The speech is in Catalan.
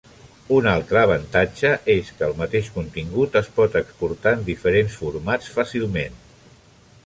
Un altre avantatge és que el mateix contingut es pot exportar en diferents formats fàcilment.